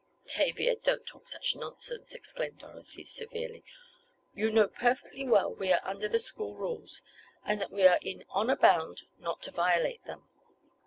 "Tavia, don't talk such nonsense!" exclaimed Dorothy severely. "You know perfectly well we are under the school rules, and that we are in honor bound not to violate them.